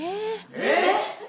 えっ⁉